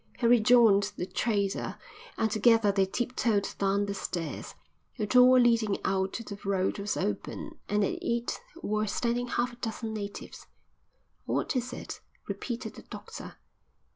He rejoined the trader, and together they tiptoed down the stairs. The door leading out to the road was open and at it were standing half a dozen natives. "What is it?" repeated the doctor.